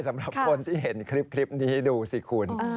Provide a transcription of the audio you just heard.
สำหรับคนที่เห็นคลิปนี้ดูสิคุณ